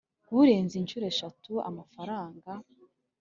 burenze incuro eshatu amafaranga